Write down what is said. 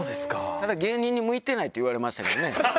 ただ、芸人に向いてないって言われましたけどね。